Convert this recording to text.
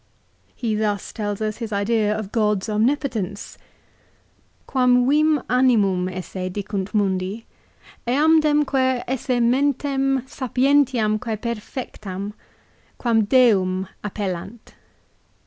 He thus tells us his idea of God's omnipotence. " Quam vim animum esse dicunt mundi, eamdemque esse mentem sapientiamque perfectam ; quern Deum appellant."